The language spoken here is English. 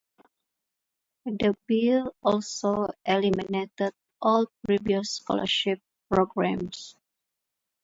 The bill also eliminated all previous scholarship programs.